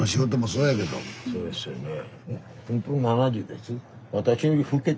そうですよね。